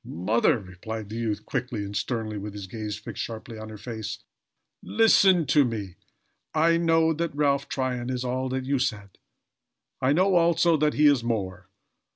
"Mother!" replied the youth, quickly and sternly, with his gaze fixed sharply on her face, "listen to me. I know that Ralph Tryon is all that you said. I know, also, that he is more.